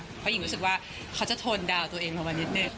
เพราะหญิงรู้สึกว่าเขาจะโทนดาวน์ตัวเองลงมานิดนึง